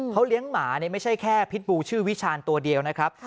เขาเลี้ยงหมาไม่ค่าพิษบูชื่อวิชาลตัวเดียวนะครับ